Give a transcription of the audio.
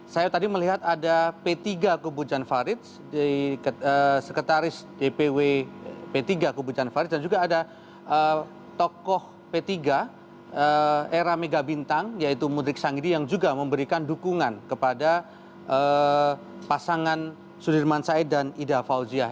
saya tadi melihat ada p tiga kebun janvarits sekretaris dpw p tiga kebun janvarits dan juga ada tokoh p tiga era megabintang yaitu mudrik sangidi yang juga memberikan dukungan kepada pasangan sudirman syed dan ida fauzia